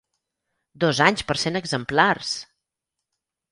Dos anys per cent exemplars!